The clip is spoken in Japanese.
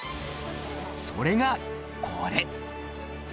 それがこれ！